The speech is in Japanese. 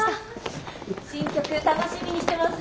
新曲楽しみにしてます。